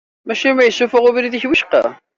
Maca ma yessufuɣ ubrid-ik wicqa.